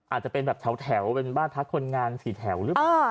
อาจจะเป็นแบบแถวเป็นบ้านพักคนงาน๔แถวหรือเปล่า